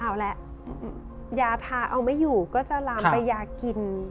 เอาละยาทาเอาไม่อยู่ก็จะลามไปยากิน